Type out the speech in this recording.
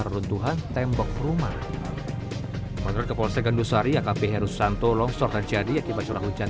runtuhan tembok rumah menurut kepolsek gandusari akp herusanto longsor terjadi akibat curah hujan